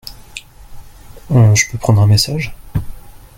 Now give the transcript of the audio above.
Je peux prendre un message ?